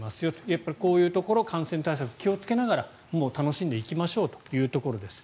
やっぱりこういうところ感染対策を気をつけながら楽しんでいきましょうというところです。